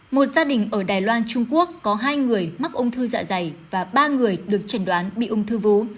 một gia đình ở đài loan trung quốc có hai người mắc ung thư dạ dày và ba người được chẩn đoán bị ung thư vú